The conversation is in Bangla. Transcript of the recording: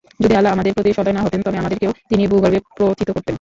যদি আল্লাহ আমাদের প্রতি সদয় না হতেন তবে আমদেরকেও তিনি ভূগর্ভে প্রোথিত করতেন।